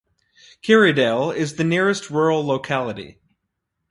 Karaidel is the nearest rural locality.